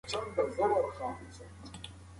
څنګه انرژي تولیدېږي؟